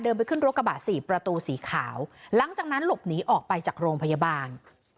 ไปขึ้นรถกระบะสี่ประตูสีขาวหลังจากนั้นหลบหนีออกไปจากโรงพยาบาล